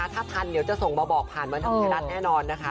ถ้าทันเดี๋ยวจะส่งมาบอกผ่านมาที่รัฐแน่นอนนะคะ